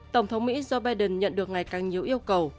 tổng thống mỹ joe biden nhận được ngày càng nhiều yêu cầu